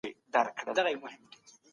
پرمختګ لرو.